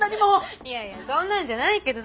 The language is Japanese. いやいやそんなんじゃないけどさ。